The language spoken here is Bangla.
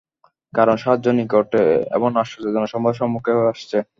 কারণ সাহায্য নিকটে এবং আশ্চর্যজনক সংবাদ সম্মুখে আসছে।